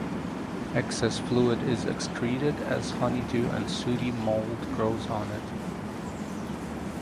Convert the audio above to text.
Excess fluid is excreted as honeydew and sooty mould grows on it.